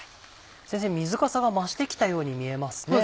先生水かさが増して来たように見えますね。